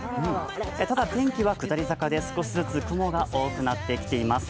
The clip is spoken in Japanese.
ただ天気は下り坂で、少しずつ雲が多くなってきています。